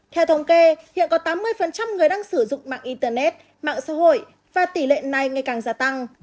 theo thống kê hiện có tám mươi người đang sử dụng mạng internet mạng xã hội và tỷ lệ này ngày càng gia tăng